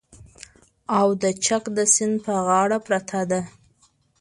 او د چک د سیند په غاړه پرته ده